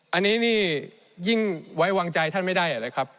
อันนี้นี่ยิ่งไว้วางใจท่านไม่ได้เลยครับ